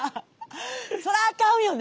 そらあかんよね。